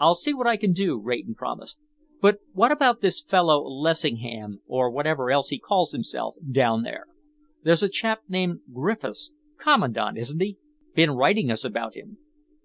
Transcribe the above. "I'll see what I can do," Rayton promised, "but what about this fellow Lessingham, or whatever else he calls himself, down there? There's a chap named Griffiths Commandant, isn't he? been writing us about him."